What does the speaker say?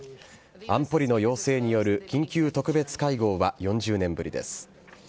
安保理の要請による緊急特別会合は４０年ぶりです。